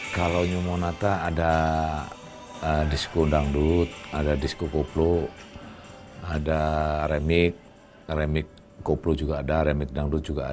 kalau new monata ada disku dangdut ada disku koplo ada remik remik koplo juga ada remit dangdut juga ada